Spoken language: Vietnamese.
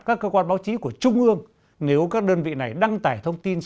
các cơ quan báo chí của trung ương nếu các đơn vị này đăng tải thông tin